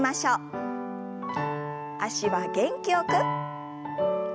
脚は元気よく。